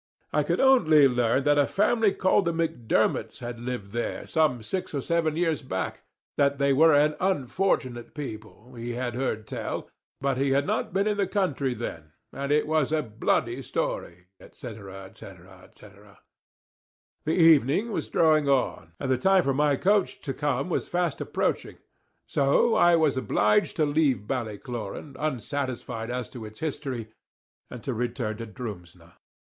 I could only learn that a family called the Macdermots had lived there some six or seven years back, that they were an unfortunate people, he had heard tell, but he had not been in the country then, and it was a bloody story, &c. &c. &c. The evening was drawing on, and the time for my coach to come was fast approaching; so I was obliged to leave Ballycloran, unsatisfied as to its history, and to return to Drumsna.